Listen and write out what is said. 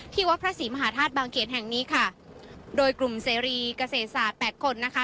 วัดพระศรีมหาธาตุบางเขตแห่งนี้ค่ะโดยกลุ่มเสรีเกษตรศาสตร์แปดคนนะคะ